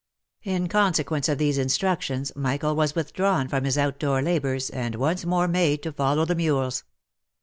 In consequence of these instructions, Michael was withdrawn from his out door labours, and once more made to follow the mules.